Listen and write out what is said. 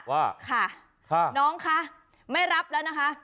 ว่าค่ะน้องคะไม่รับแล้วนะคะ